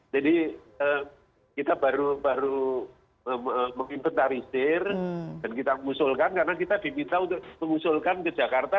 jadi kita baru baru meminatarisir dan kita mengusulkan karena kita diminta untuk mengusulkan ke jakarta